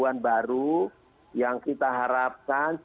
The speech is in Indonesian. jadi tujuannya juga misalnya nasional